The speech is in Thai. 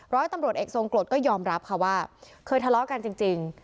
ร้อยตำรวจเอกทรงกรดก็ยอมรับค่ะว่าเคยทะเลาะกันจริง